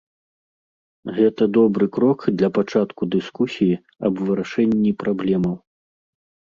Гэта добры крок для пачатку дыскусіі аб вырашэнні праблемаў.